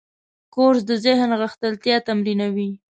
کورس د ذهن غښتلتیا تمرینوي.